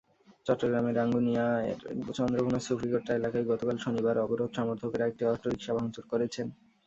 চট্টগ্রামের রাঙ্গুনিয়ার চন্দ্রঘোনা সুফিগোট্টা এলাকায় গতকাল শনিবার অবরোধ-সমর্থকেরা একটি অটোরিকশা ভাঙচুর করেছেন।